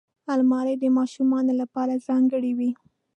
الماري د ماشومانو لپاره ځانګړې وي